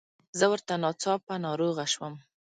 زه ورته ناڅاپه ناروغه شوم.